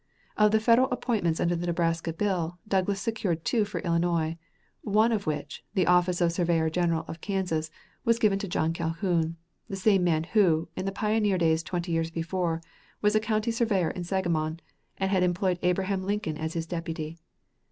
Of the Federal appointments under the Nebraska bill, Douglas secured two for Illinois, one of which, the office of surveyor general of Kansas, was given to John Calhoun, the same man who, in the pioneer days twenty years before, was county surveyor in Sangamon and had employed Abraham Lincoln as his deputy.